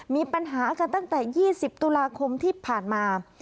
มีปัญหากันตั้งแต่๒๐ตุลาคมที่ผ่านมา